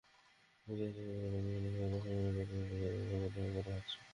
বিদেশ থেকেই যন্ত্রপাতি কিনছি, আবার রক্ষণাবেক্ষণ তদারকির কাজটিও তাদের মাধ্যমে করা হচ্ছে।